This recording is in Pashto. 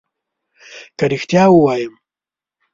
که ريښتيا ووايم